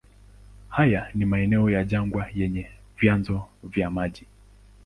Haya ni maeneo ya jangwa yenye vyanzo vya maji.